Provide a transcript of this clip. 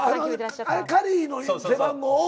あれカリーの背番号を。